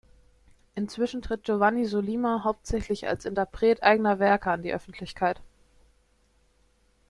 Inzwischen tritt Giovanni Sollima hauptsächlich als Interpret eigener Werke an die Öffentlichkeit.